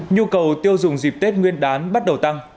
nhu cầu tiêu dùng dịp tết nguyên đán bắt đầu tăng